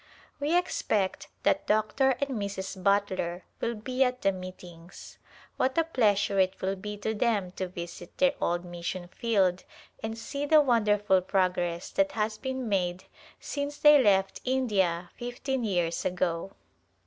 We expect that Dr. and Mrs. Butler will be at the meetings. What a pleasure it will be to them to visit their old mission field and see the wonderful progress that has been made since they left India fifteen years ago.